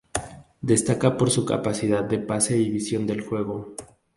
Destaca por su capacidad de pase y visión del juego.